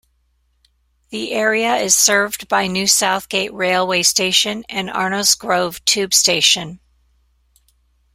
The area is served by New Southgate railway station and Arnos Grove tube station.